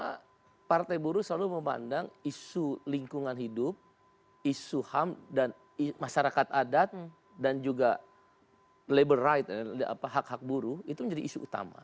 karena partai buruh selalu memandang isu lingkungan hidup isu ham dan masyarakat adat dan juga labor right hak hak buruh itu menjadi isu utama